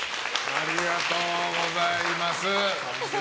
ありがとうございます。